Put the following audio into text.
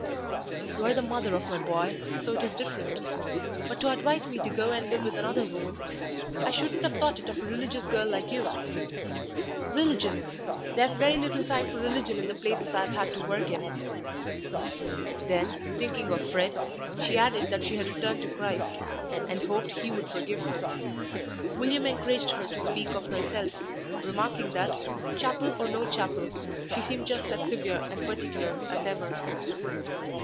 "You are the mother of my boy, so it is different; but to advise me to go and live with another woman! I shouldn't have thought it of a religious girl like you." "Religion! There's very little time for religion in the places I've had to work in." Then, thinking of Fred, she added that she had returned to Christ, and hoped He would forgive her. William encouraged her to speak of herself, remarking that, chapel or no chapel, she seemed just as severe and particular as ever.